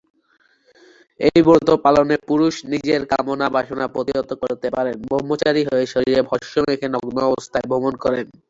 এই ব্রত পালনে পুরুষ নিজের কামনা-বাসনা প্রতিহত করতে পারেন, ব্রহ্মচারী হয়ে শরীরে ভস্ম মেখে নগ্ন অবস্থায় ভ্রমণ করেন।